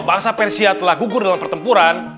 bangsa persia telah gugur dalam pertempuran